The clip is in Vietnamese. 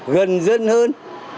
gần dân hơn